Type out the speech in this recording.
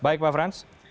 baik pak frans